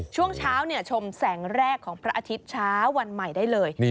ช่วงเช้าชมแสงแรกของพระอาทิตย์เช้าวันใหม่ได้เลย